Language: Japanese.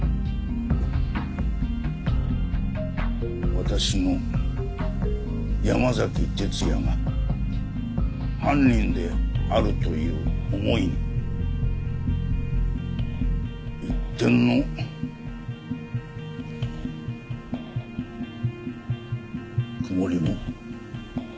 私の山崎哲也が犯人であるという思いに一点の曇りもありません。